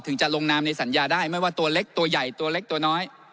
จะลงนามในสัญญาได้ไม่ว่าตัวเล็กตัวใหญ่ตัวเล็กตัวน้อย